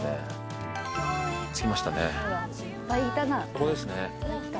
ここですね。